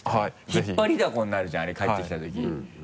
引っ張りだこになるじゃんあれ帰ってきたとき。